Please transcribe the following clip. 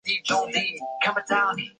利尚叙纳。